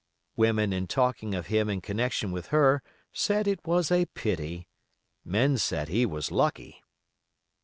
Women in talking of him in connection with her said it was a pity; men said he was lucky.